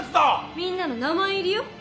みんなの名前入りよ。